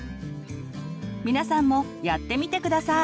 皆さんもやってみて下さい！